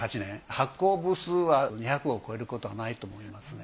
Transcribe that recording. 発行部数は２００を超えることはないと思いますね。